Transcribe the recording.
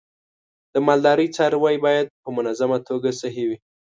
د مالدارۍ څاروی باید په منظمه توګه صحي وي.